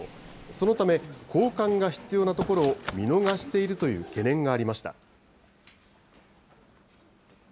そのため、交換が必要な所を見逃しているという懸念がありました。